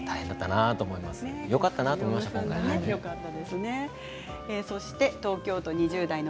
よかったなと思いました。